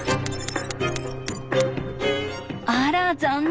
あら残念。